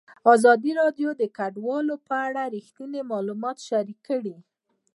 ازادي راډیو د کډوال په اړه رښتیني معلومات شریک کړي.